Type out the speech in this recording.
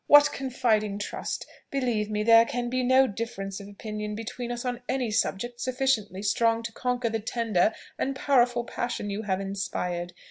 what confiding trust! Believe me, there can be no difference of opinion between us on any subject sufficiently strong to conquer the tender and powerful passion you have inspired.